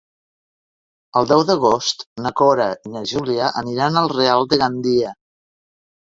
El deu d'agost na Cora i na Júlia aniran al Real de Gandia.